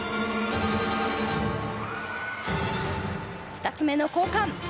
２つ目の交換！